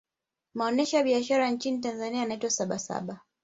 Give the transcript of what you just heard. maonyesho ya biashara nchini tanzania yanaitwa sabasaba